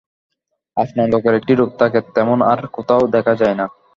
আপনার লোকের একটি রূপ থাকে, তেমন আর কোথাও দেখা যায় না।